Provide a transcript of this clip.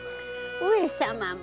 上様も。